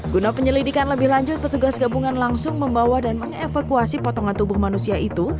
guna penyelidikan lebih lanjut petugas gabungan langsung membawa dan mengevakuasi potongan tubuh manusia itu